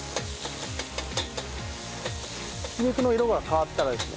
挽き肉の色が変わったらですね